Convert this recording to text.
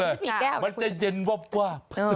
หาแก้วมามันจะเย็นวับ